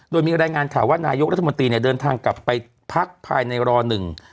โดยมีรายงานข่าวว่านายกรัฐมนตรีเนี่ยเดินทางกลับไปพักภายในรอหนึ่ง